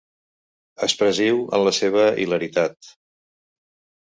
Expressiu en la seva hilaritat.